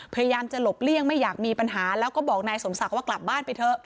พยายามจะหลบเลี่ยงไม่อยากมีปัญหาแล้วก็บอกนายสมศักดิ์ว่ากลับบ้านไปเถอะ